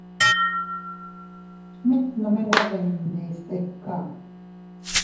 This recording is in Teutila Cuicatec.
Mit nome nwe dindi stika.